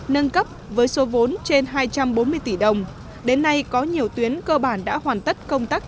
nâng cấp với số vốn trên hai trăm bốn mươi tỷ đồng đến nay có nhiều tuyến cơ bản đã hoàn tất công tác